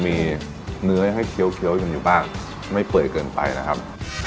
มีเนื้อให้เคี้ยวกันอยู่บ้างไม่เปื่อยเกินไปนะครับ